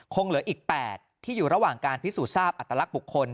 เหลืออีก๘ที่อยู่ระหว่างการพิสูจน์ทราบอัตลักษณ์บุคคล